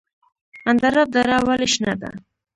اندراب دره ولې شنه ده؟